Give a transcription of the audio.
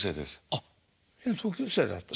あっ同級生だったん？